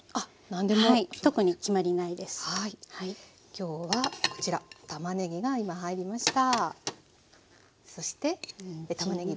今日はこちらたまねぎが今入りました。